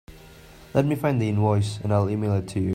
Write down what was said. Let me find the invoice and I'll email it to you.